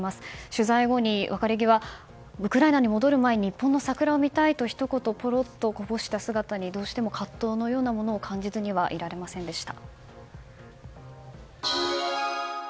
取材後、別れ際ウクライナに戻る前に日本の桜を見たいとひと言、ぽろっとこぼした姿にどうしても葛藤のようなものを感じずにはいられませんでした。